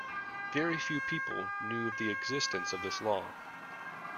Very few people knew of the existence of this law.